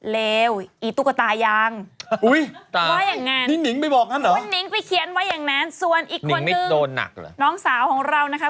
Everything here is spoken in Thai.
เลวอีตุ๊กตายังว่าอย่างนั้นคุณนิ้งไปเขียนว่าอย่างนั้นส่วนอีกคนหนึ่งน้องสาวของเรานะคะ